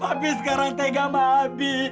papi sekarang tega sama abi